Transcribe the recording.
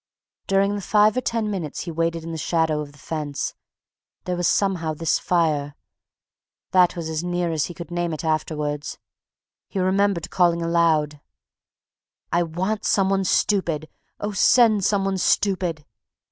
During the five or ten minutes he waited in the shadow of the fence, there was somehow this fire... that was as near as he could name it afterward. He remembered calling aloud: "I want some one stupid. Oh, send some one stupid!"